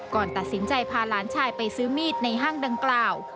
ก่อนตัดสินใจพาหลานชายไปซื้อมีดในห้างดังกล่าว